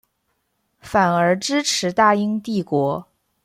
反而支持大英帝国。